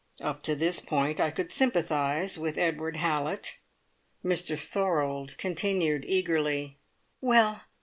Up to this point I could sympathise with Edward Hallett. Mr Thorold continued eagerly: "Well!